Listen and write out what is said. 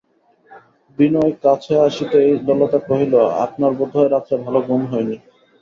বিনয় কাছে আসিতেই ললিতা কহিল, আপনার বোধ হয় রাত্রে ভালো ঘুম হয় নি?